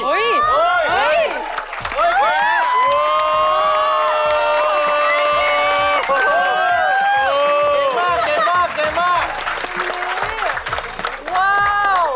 เต็มมาก